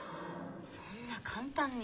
そんな簡単に。